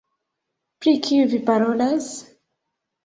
Pri kiu vi parolas?